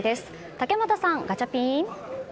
竹俣さん、ガチャピン。